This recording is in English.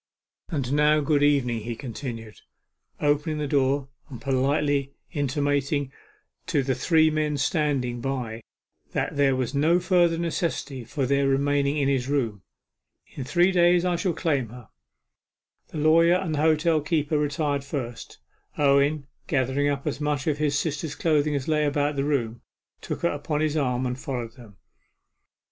'And now, good evening,' he continued, opening the door and politely intimating to the three men standing by that there was no further necessity for their remaining in his room. 'In three days I shall claim her.' The lawyer and the hotel keeper retired first. Owen, gathering up as much of his sister's clothing as lay about the room, took her upon his arm, and followed them.